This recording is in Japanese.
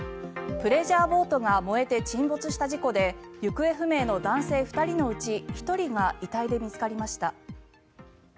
プレジャーボートが燃えて沈没した事故で行方不明の男性２人のうち１人が遺体で見つかりました。